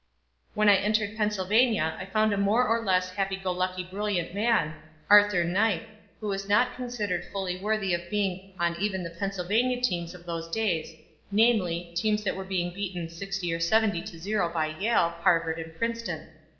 "When I entered Pennsylvania I found a more or less happy go lucky brilliant man, Arthur Knipe, who was not considered fully worthy of being on even the Pennsylvania teams of those days, namely: teams that were being beaten 60 or 70 to 0 by Yale, Harvard and Princeton.